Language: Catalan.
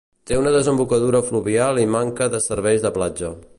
Té una desembocadura fluvial i manca de serveis de platja.